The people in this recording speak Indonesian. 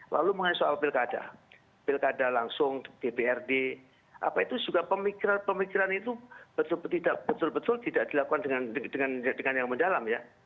lalu mengenai soal pilkada pilkada langsung dprd apa itu juga pemikiran pemikiran itu betul betul tidak dilakukan dengan yang mendalam ya